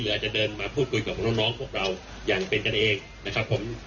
อาจจะเดินมาพูดคุยกับน้องพวกเราอย่างเป็นกันเองนะครับผม